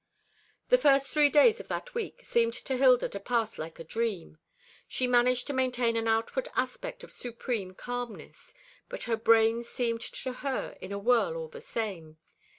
The first three days of that week seemed to Hilda to pass like a dream. She managed to maintain an outward aspect of supreme calmness; but her brain seemed to her in a whirl all the time.